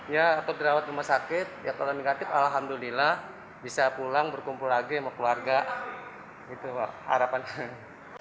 ya atau dirawat di rumah sakit ya kalau negatif alhamdulillah bisa pulang berkumpul lagi sama keluarga itu harapan kami